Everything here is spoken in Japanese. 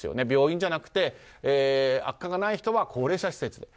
病院じゃなくて悪化がない人は高齢者施設。